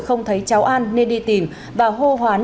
không thấy cháu an nên đi tìm và hô hoán